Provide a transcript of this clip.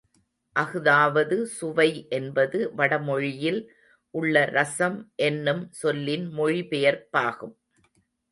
அஃதாவது சுவை என்பது, வடமொழியில் உள்ள ரசம் என்னும் சொல்லின் மொழி பெயர்ப்பாகும்.